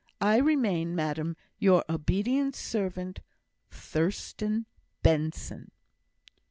I remain, madam, Your obedient servant, THURSTAN BENSON.